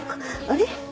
あれ？